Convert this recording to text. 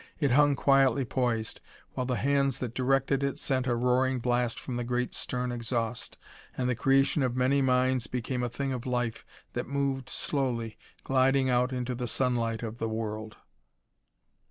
It hung quietly poised, while the hands that directed it sent a roaring blast from the great stern exhaust, and the creation of many minds became a thing of life that moved slowly, gliding out into the sunlight of the world.